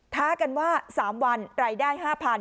ท้ากันว่า๓วันรายได้๕๐๐